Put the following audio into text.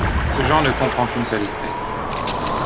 Ce genre ne comprend qu'une seule espèce.